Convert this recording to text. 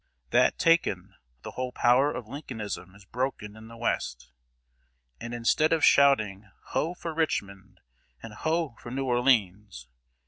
That taken, the whole power of Lincolnism is broken in the West, and instead of shouting 'Ho for Richmond!' and 'Ho for New Orleans!'